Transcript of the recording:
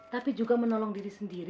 tapi juga menolong diri sendiri